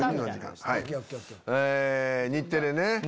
日テレね。